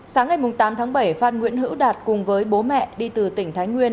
sáng ngày tám tháng bảy phan nguyễn hữu đạt cùng với bố mẹ đi từ tỉnh thái nguyên